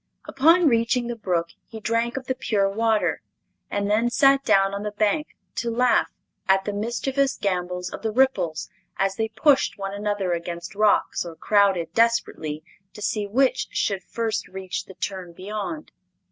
Upon reaching the brook he drank of the pure water, and then sat down on the bank to laugh at the mischievous gambols of the ripples as they pushed one another against rocks or crowded desperately to see which should first reach the turn beyond.